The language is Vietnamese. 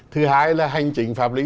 thứ hai là hành trình pháp lý